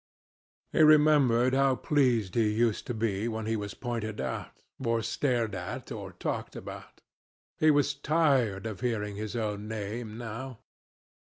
He remembered how pleased he used to be when he was pointed out, or stared at, or talked about. He was tired of hearing his own name now.